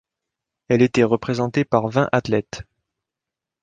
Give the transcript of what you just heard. Elle était représentée par vingt athlètes.